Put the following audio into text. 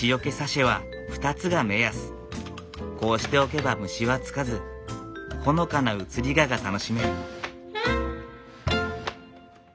こうしておけば虫はつかずほのかな移り香が楽しめる。